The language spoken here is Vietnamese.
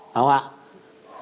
đúng không ạ